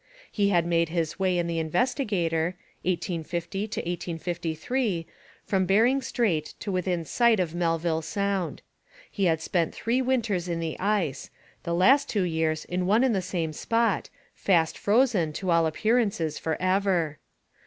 He had made his way in the Investigator (1850 to 1853) from Bering Strait to within sight of Melville Sound. He had spent three winters in the ice, the last two years in one and the same spot, fast frozen, to all appearances, for ever.